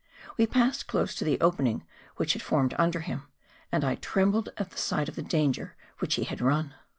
We passed close to the opening which had formed under him; and I trembled at the sight of the danger which he had run.